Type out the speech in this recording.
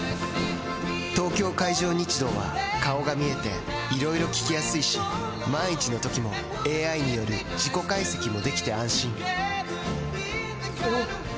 東京海上日動は顔が見えていろいろ聞きやすいし万一のときもＡＩによる事故解析もできて安心おぉ！